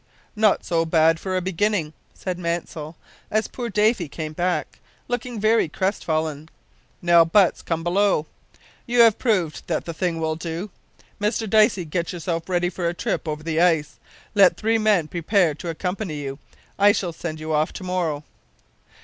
"Not so bad for a beginning," said Mansell, as poor Davy came back, looking very crest fallen. "Now, Butts, come below. You have proved that the thing will do. Mr Dicey, get yourself ready for a trip over the ice. Let three men prepare to accompany you. I shall send you off to morrow."